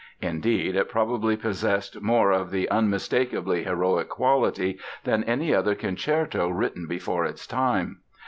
Indeed, it probably possessed more of the unmistakably heroic quality than any other concerto written before its time.